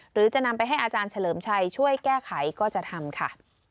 หรือจะนำไปให้อาจารย์เฉลิมชัยช่วยแก้ไขก็จะทำค่ะ